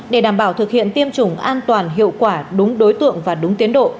để đảm bảo thực hiện tiêm chủng an toàn hiệu quả đúng đối tượng và đúng tiến độ